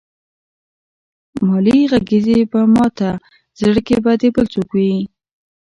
مالې غږېږې به ماته زړه کې به دې بل څوک وي.